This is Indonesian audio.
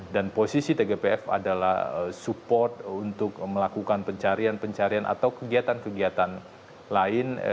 dan posisi tgpf adalah support untuk melakukan pencarian pencarian atau kegiatan kegiatan lain